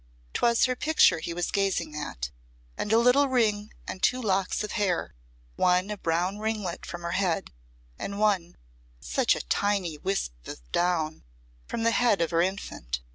'Twas her picture he was gazing at, and a little ring and two locks of hair one a brown ringlet from her head, and one such a tiny wisp of down from the head of her infant.